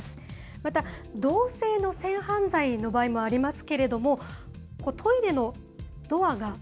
また、同性の性犯罪の場合もありますけれども、トイレのドアが。